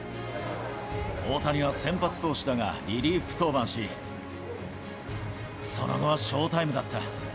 大谷は先発投手だが、リリーフ登板し、その後はショータイムだった。